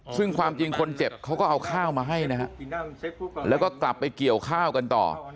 ซึ่งความจริงคนเจ็บเขาก็เอาข้าวมาให้นะฮะแล้วก็กลับไปเกี่ยวข้าวกันต่อ